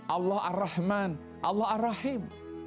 allah ar rahman allah ar rahim